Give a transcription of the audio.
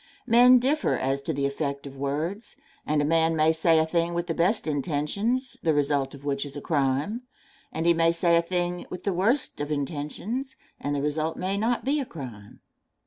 Men differ as to the effect of words, and a man may say a thing with the best intentions the result of which is a crime, and he may say a thing with the worst of intentions and the result may not be a crime.